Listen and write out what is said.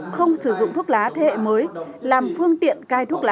không sử dụng thuốc lá thế hệ mới làm phương tiện cai thuốc lá